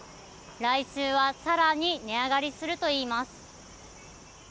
来週は更に値上がりするといいます。